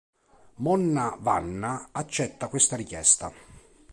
Monna Vanna accetta questa richiesta.